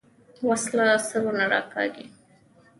وسله سرونه راکاږي